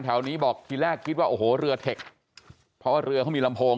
แถวนี้บอกทีแรกคิดว่าโอ้โหเรือเทคเพราะว่าเรือเขามีลำโพง